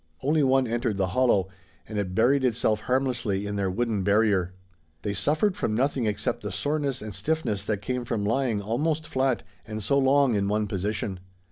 Only one entered the hollow, and it buried itself harmlessly in their wooden barrier. They suffered from nothing except the soreness and stiffness that came from lying almost flat and so long in one position.